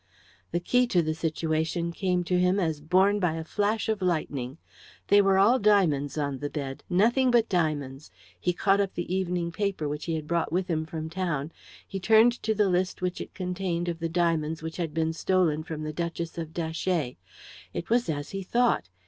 The key to the situation came to him as borne by a flash of lightning. They were all diamonds on the bed nothing but diamonds. He caught up the evening paper which he had brought with him from town. He turned to the list which it contained of the diamonds which had been stolen from the Duchess of Datchet. It was as he thought.